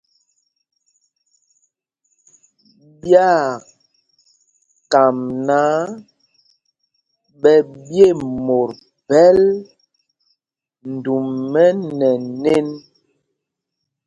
Ɓyaa kam náǎ ɓɛ ɓye mot phɛl ndumɛ nɛ nēn.